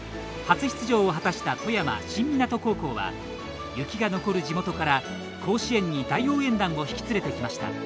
初出場を果たした富山・新湊高校は雪が残る地元から甲子園に大応援団を引き連れてきました。